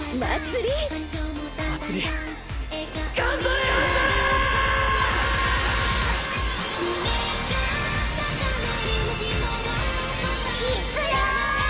いっくよ！